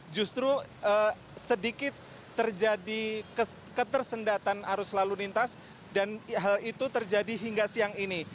justru sedikit terjadi ketersendatan arus lalu lintas dan hal itu terjadi hingga siang ini